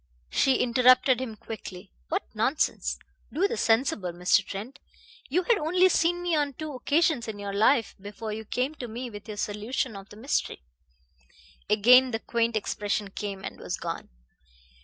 She interrupted him quickly. "What nonsense. Do be sensible, Mr. Trent. You had only seen me on two occasions in your life before you came to me with your solution of the mystery." Again the quaint expression came and was gone.